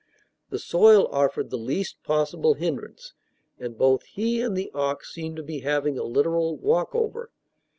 The soil offered the least possible hindrance, and both he and the ox seemed to be having a literal "walk over."